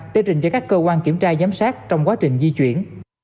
để trình cho các cơ quan kiểm tra giám sát trong quá trình di chuyển